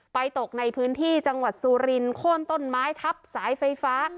ตกในพื้นที่จังหวัดสุรินโค้นต้นไม้ทับสายไฟฟ้า